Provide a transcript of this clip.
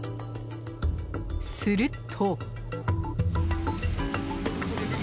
すると。